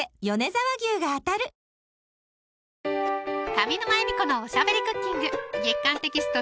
上沼恵美子のおしゃべりクッキング月刊テキスト